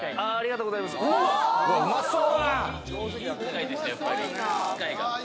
うまそう！